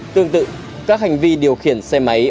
tương tự các hành vi điều khiển xe máy